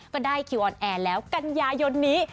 ก็ได้คิวออนแอร์แล้วกันยายนนี้